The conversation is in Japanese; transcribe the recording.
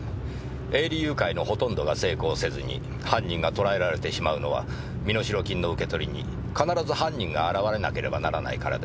営利誘拐のほとんどが成功せずに犯人が捕らえられてしまうのは身代金の受け取りに必ず犯人が現れなければならないからです。